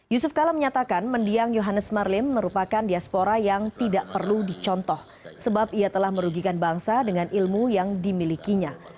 yusuf kala menyatakan mendiang yohannes marlim merupakan diaspora yang tidak perlu dicontoh sebab ia telah merugikan bangsa dengan ilmu yang dimilikinya